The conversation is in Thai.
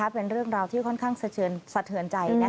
เป็นเรื่องราวที่ค่อนข้างสะเทือนใจ